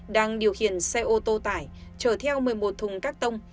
đang điều khiển xe ô tô tải chở theo một mươi một thùng các tông